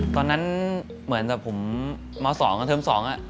ตอนนั้นเหมือนผมเมื่อเทิมสอง